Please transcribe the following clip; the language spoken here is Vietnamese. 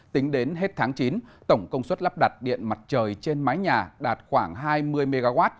tính đến hết tháng chín tổng công suất lắp đặt điện mặt trời trên mái nhà đạt khoảng hai mươi mw